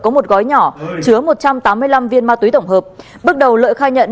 có một gói nhỏ chứa một trăm tám mươi năm viên ma túy tổng hợp bước đầu lợi khai nhận